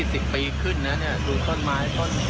ก็ตอน๒๐ปีขึ้นนะเนี่ยดูต้นไม้ต้นไก่เลยเนี่ย